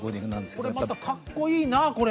これまたかっこいいなこれ。